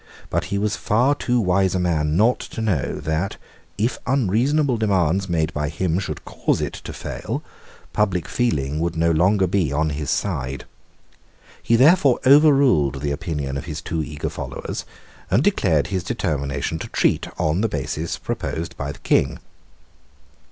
But he was far too wise a man not to know that, if unreasonable demands made by him should cause it to fail, public feeling would no longer be on his side. He therefore overruled the opinion of his too eager followers, and declared his determination to treat on the basis proposed by the King.